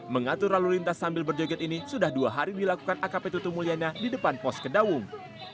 mengatur lalu lintas sambil berjoget ini sudah dua hari dilakukan akp tutu mulyana di depan pos kedawung